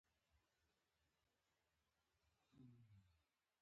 خدای ورته د اړتیا په اندازه روزي ورکړه.